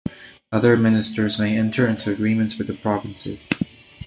Other ministers may enter into agreements with the provinces.